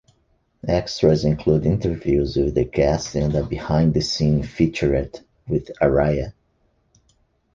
Extras include interviews with the cast and a behind the scenes featurette with Araya.